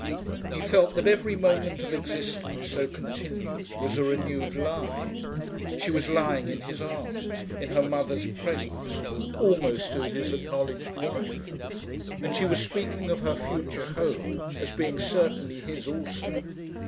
He felt that every moment of existence so continued was a renewed lie. She was lying in his arms, in her mother's presence, almost as his acknowledged wife. And she was speaking of her future home as being certainly his also.